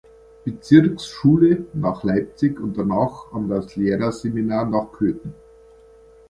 Bezirksschule nach Leipzig und danach an das Lehrerseminar nach Cöthen.